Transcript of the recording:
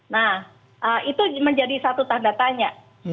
nah itu menjadi satu tanda tanya